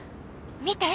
見て！